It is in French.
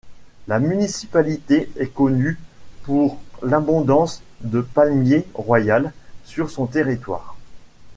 La municipalité est connue pour l'abondance de palmier-royal sur son territoire.